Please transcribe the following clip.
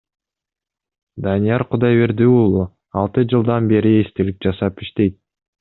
Данияр Кудайберди уулу алты жылдан бери эстелик жасап иштейт.